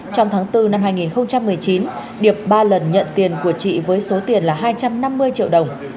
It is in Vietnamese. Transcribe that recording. trong tháng bốn năm hai nghìn một mươi chín điệp ba lần nhận tiền của chị với số tiền là hai trăm năm mươi triệu đồng